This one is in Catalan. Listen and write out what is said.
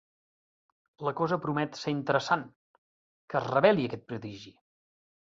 La cosa promet ser interessant! Que es reveli aquest prodigi!